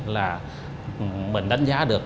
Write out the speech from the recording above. là mình đánh giá được